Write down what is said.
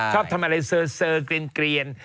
ชอบทำอะไรเสอเกรียน